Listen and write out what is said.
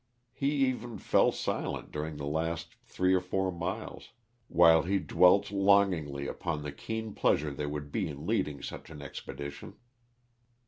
He even fell silent daring the last three or four miles, while he dwelt longingly upon the keen pleasure there would be in leading such an expedition.